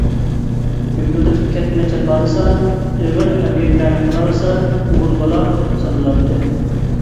گۈپۈلدىتىپ كەتمەن چاپالىسا، ئېغىر ئەمگەكلەرنى قىلالىسا ئوغۇل بالا سانىلاتتى.